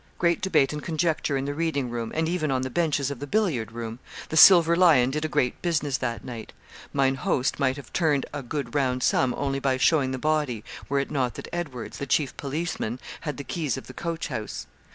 Great debate and conjecture in the reading room, and even on the benches of the billiard room. The 'Silver Lion' did a great business that night. Mine host might have turned a good round sum only by showing the body, were it not that Edwards, the chief policeman, had the keys of the coach house.